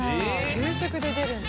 給食で出るんだ。